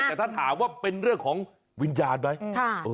แต่ถ้าถามว่าเป็นเรื่องของวิญญาณไหม